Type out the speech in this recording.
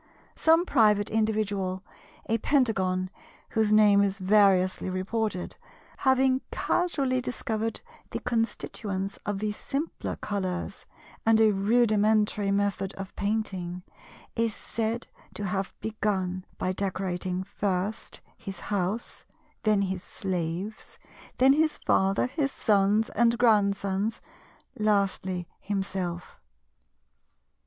Some private individual—a Pentagon whose name is variously reported—having casually discovered the constituents of the simpler colours and a rudimentary method of painting, is said to have begun by decorating first his house, then his slaves, then his Father, his Sons, and Grandsons, lastly himself.